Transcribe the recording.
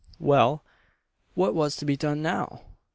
Well, what was to be done now?